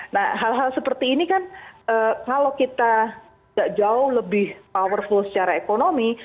nah hal hal seperti ini kan kalau kita tidak jauh lebih powerful secara ekonomi